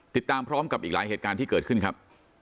ติดตามพร้อมกับอีกหลายเหตุการณ์ที่เกิดขึ้นครับ